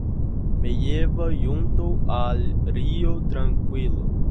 Me lleva junto al río tranquilo.